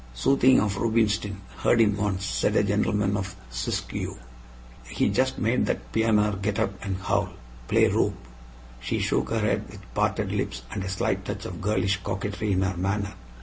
"Suthin' of Rubinstein. Heard him once," said a gentleman of Siskiyou. "He just made that pianner get up and howl. Play Rube." She shook her head with parted lips and a slight touch of girlish coquetry in her manner.